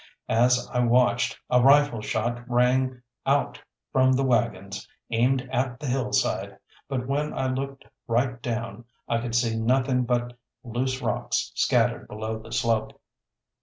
As I watched, a rifle shot rang out from the waggons, aimed at the hillside, but when I looked right down I could see nothing but loose rocks scattered below the slope.